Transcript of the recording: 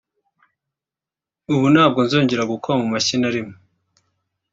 ubu ntabwo nzongera gukoma mu mashyi na rimwe”